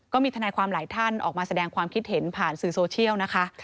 ก็มีทนายความหลายท่านออกมาแสดงความคิดเห็นผ่านสื่อโซเชียลนะคะ